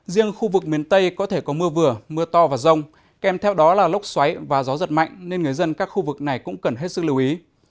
riêng khu vực miền tây có thể có mưa vừa mưa to và rông kèm theo đó là lốc xoáy và gió giật mạnh nên người dân các khu vực này cũng cần hết sức lưu ý